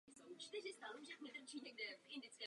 Pro pana komisaře tu mám návrh.